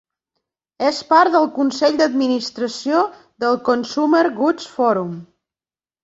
És part del consell d'administració del Consumer Goods Forum.